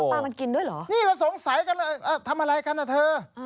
ปลามันกินด้วยเหรอนี่มันสงสัยกันเลยทำอะไรกันนะเธอ